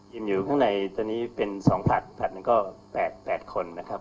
อยู่ข้างในตอนนี้เป็น๒ผัดผัดหนึ่งก็๘คนนะครับ